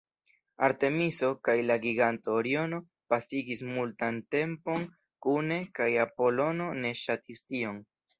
Artemiso kaj la giganto Oriono pasigis multan tempon kune, kaj Apolono ne ŝatis tion.